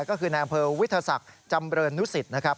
ก็คือนายอำเภอวิทธศักดิ์จำเริ่มนุษย์นะครับ